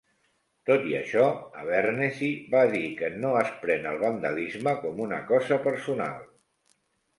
Tot i això, Abernethy va dir que no es pren el vandalisme com una cosa personal.